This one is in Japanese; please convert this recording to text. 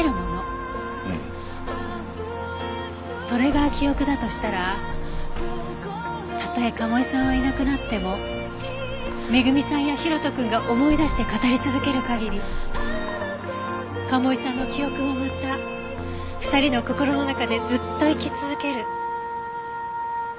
それが記憶だとしたらたとえ賀茂井さんはいなくなっても恵美さんや大翔くんが思い出して語り続ける限り賀茂井さんの記憶もまた２人の心の中でずっと生き続ける。